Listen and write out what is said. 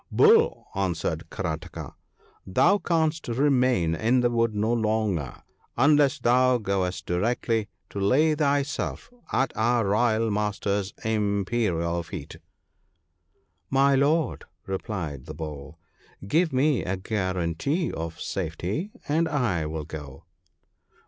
"' Bull,' answered Karataka, ' thou canst remain in the wood no longer unless thou goest directly to lay thyself at our Royal master's imperial feet.' 'My Lord,' replied the Bull, 'give me a guarantee of safety, and I will go.'